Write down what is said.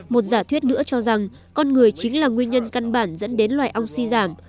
một giả thuyết nữa cho rằng con người chính là nguyên nhân căn bản dẫn đến loài ong suy giảm